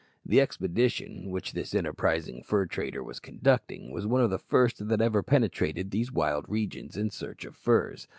The expedition which this enterprising fur trader was conducting was one of the first that ever penetrated these wild regions in search of furs.